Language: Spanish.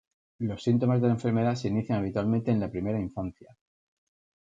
Los síntomas de la enfermedad se inician habitualmente en la primera infancia.